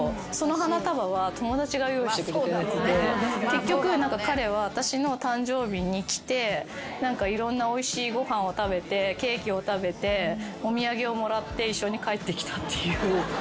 結局彼は私の誕生日に来ていろんなおいしいご飯を食べてケーキを食べてお土産をもらって一緒に帰ってきたっていう。